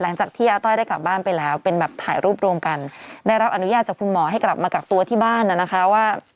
หลังจากที่อาต้อยได้กลับบ้านไปแล้วเป็นแบบถ่ายรูปรวมกันได้รับอนุญาตจากคุณหมอให้กลับมากักตัวที่บ้านน่ะนะคะว่า